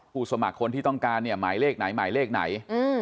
สมัครคนที่ต้องการเนี่ยหมายเลขไหนหมายเลขไหน